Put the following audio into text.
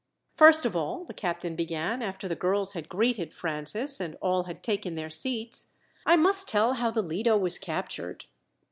"First of all," the captain began, after the girls had greeted Francis, and all had taken their seats, "I must tell how the Lido was captured."